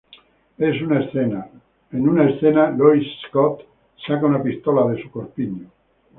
En una escena, Lois Scott saca una pistola de su corpiño.